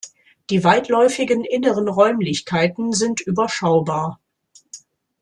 Die weitläufigen inneren Räumlichkeiten sind überschaubar.